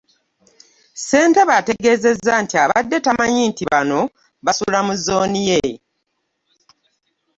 Ssentebe ategezezza nti abadde tamanyi nti bano basula mu zooni ye .